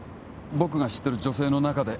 僕が知ってる女性の中で